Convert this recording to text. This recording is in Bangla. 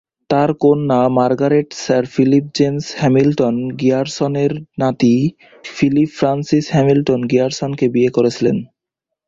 তার কন্যা মার্গারেট স্যার ফিলিপ জেমস হ্যামিল্টন-গিয়ারসনের নাতি ফিলিপ ফ্রান্সিস হ্যামিল্টন-গ্রিয়ারসনকে বিয়ে করেছিলেন।